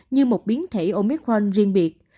như một biến thể omicron riêng biệt